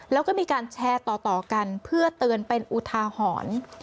แล้วก็มีการแชร์ต่อกันเพื่อเตือนเป็นอุทาหรณ์